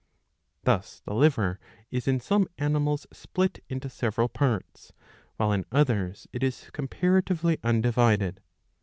Thus the liver is in some animals split into several parts, while in others it is comparatively undivided.